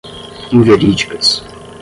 inverídicas